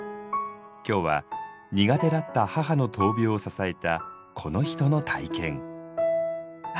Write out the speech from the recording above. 今日は苦手だった母の闘病を支えたこの人の体験。